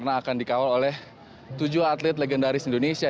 dan dikawal oleh tujuh atlet legendaris indonesia